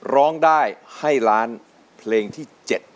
ร้องได้ให้ล้านเพลงที่๗